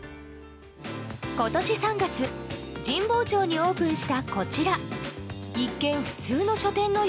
今年３月神保町にオープンしたこちら。